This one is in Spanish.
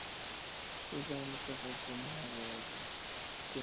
Es la única sinfonía de Haydn que no contiene signos de repetición.